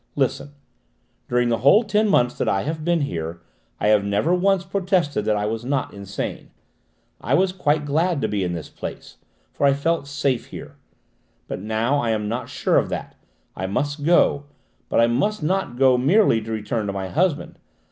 "Listen: during the whole ten months that I have been here, I have never once protested that I was not insane. I was quite glad to be in this place! For I felt safe here. But now I am not sure of that. I must go, but I must not go merely to return to my husband!